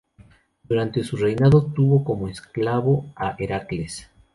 Durante su reinado tuvo como esclavo a Heracles.